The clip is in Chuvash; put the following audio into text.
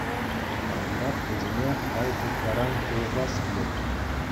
Ҫавӑнпах вӗсене май пур таран пулӑшас килет.